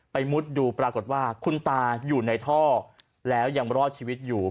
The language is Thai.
มุดดูปรากฏว่าคุณตาอยู่ในท่อแล้วยังรอดชีวิตอยู่